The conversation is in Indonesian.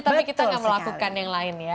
tapi kita tidak melakukan yang lain